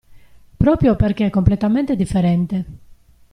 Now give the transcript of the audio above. Proprio perchè è completamente differente.